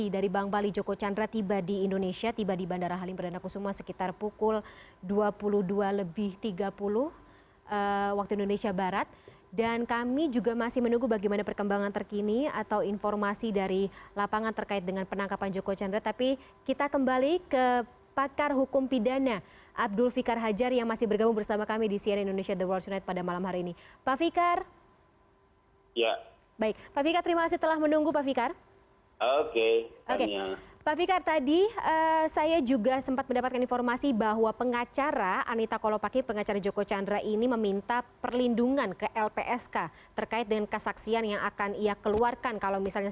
dimana joko chandra sampai dengan proses penyelidikan atau proses hukum atas dirinya berlangsung kedepan